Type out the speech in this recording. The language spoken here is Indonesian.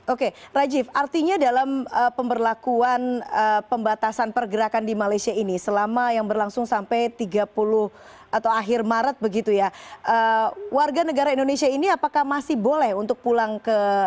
oke rajif artinya dalam pemberlakuan pembatasan pergerakan di malaysia ini selama yang berlangsung sampai tiga puluh atau akhir maret begitu ya warga negara indonesia ini apakah masih boleh untuk pulang ke